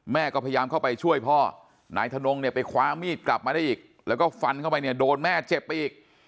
แม่ก็พยายามเข้าไปช่วยพ่อนายทนงเนี่ยไปคว้ามีดกลับมาได้อีกแล้วก็ฟันเข้าไปเนี่ยโดนแม่เจ็บไปอีก